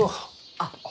あっ。